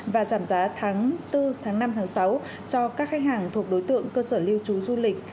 và giảm giá tháng bốn tháng năm tháng sáu cho các khách hàng thuộc đối tượng cơ sở lưu trú du lịch